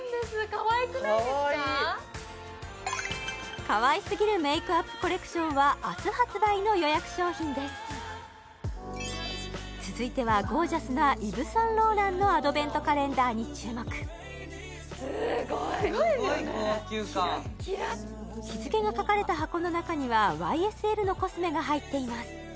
かわいいかわいすぎるメイクアップコレクションは明日発売の予約商品です続いてはゴージャスなイヴ・サンローランのアドベントカレンダーに注目すごいキラッキラすごい高級感日付が書かれた箱の中にはＹＳＬのコスメが入っています